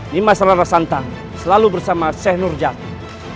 nirmasara rasantan selalu bersama sheikh nur jatuh